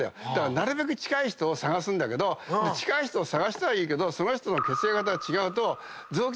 なるべく近い人を探すんだけど近い人を探したはいいけどその人の血液型が違うと。